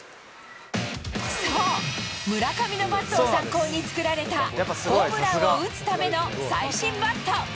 そう、村上のバットを参考に作られた、ホームランを打つための最新バット。